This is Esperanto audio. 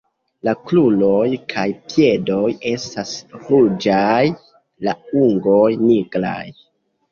La kruroj kaj piedoj estas ruĝaj, la ungoj nigraj.